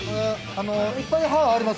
いっぱい歯ありますけど。